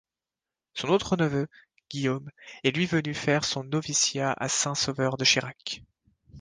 Son autre neveu, Guillaume, est lui venu faire son noviciat à Saint-Sauveur-de-Chirac.